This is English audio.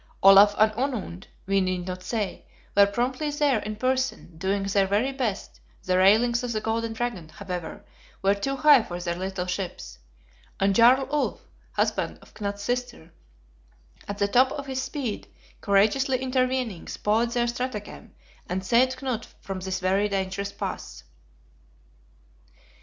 Olaf and Onund, we need not say, were promptly there in person, doing their very best; the railings of the Golden Dragon, however, were too high for their little ships; and Jarl Ulf, husband of Knut's sister, at the top of his speed, courageously intervening, spoiled their stratagem, and saved Knut from this very dangerous pass.